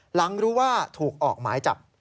หลังรู้ว่าถูกออกหมายจับ